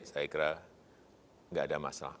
saya kira nggak ada masalah